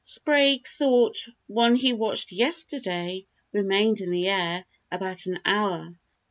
Sprague thought one he watched yesterday remained in the air about an hour.